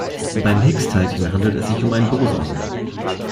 Beim Higgs-Teilchen handelt es sich um ein Boson.